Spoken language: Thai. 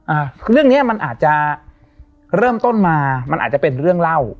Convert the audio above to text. อ่าคือเรื่องเนี้ยมันอาจจะเริ่มต้นมามันอาจจะเป็นเรื่องเล่า